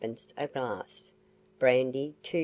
a glass; brandy 2s.